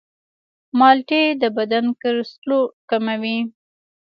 مالټې د بدن کلسترول کموي.